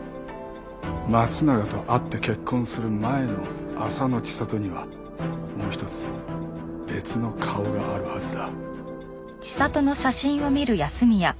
松永と会って結婚する前の浅野知里にはもう一つ別の顔があるはずだ。